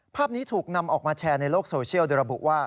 ภาพนี้ถูกนำออกมาแชร์ในโลกโซเชียลโดยระบุว่า